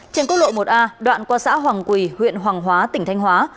trên cốt lội một a đoạn qua xã hoàng quỳ huyện hoàng hóa tỉnh thanh hóa